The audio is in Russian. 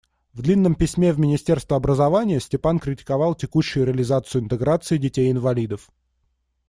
В длинном письме в министерство образования Степан критиковал текущую реализацию интеграции детей-инвалидов.